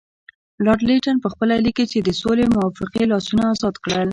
لارډ لیټن پخپله لیکي چې د سولې موافقې لاسونه ازاد کړل.